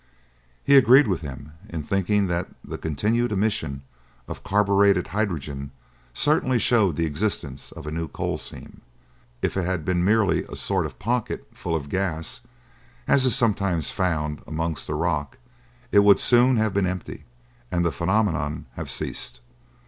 He agreed with him in thinking that the continued emission of carburetted hydrogen certainly showed the existence of a new coal seam. If it had been merely a sort of pocket, full of gas, as it is sometimes found amongst the rock, it would soon have been empty, and the phenomenon have ceased.